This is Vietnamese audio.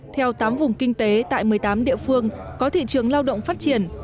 theo tám vùng kinh tế tại một mươi tám địa phương có thị trường lao động phát triển